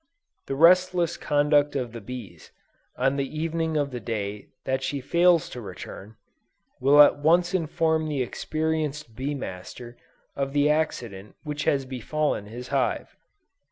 The restless conduct of the bees, on the evening of the day that she fails to return, will at once inform the experienced bee master of the accident which has befallen his hive.